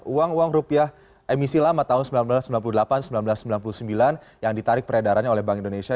uang uang rupiah emisi lama tahun seribu sembilan ratus sembilan puluh delapan seribu sembilan ratus sembilan puluh sembilan yang ditarik peredarannya oleh bank indonesia